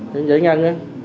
để giải ngăn á